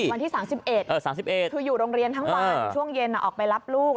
วันที่๓๑๓๑คืออยู่โรงเรียนทั้งวันช่วงเย็นออกไปรับลูก